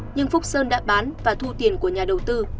nhưng phúc sơn đã bán và thu tiền của nhà đầu tư